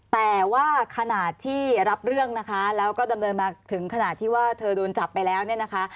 แต่ว่าขณะที่รับเรื่องนะคะแล้วก็ดำเนินมาถึงขนาดที่ว่าเธอโดนจับไปแล้วเนี่ยนะคะ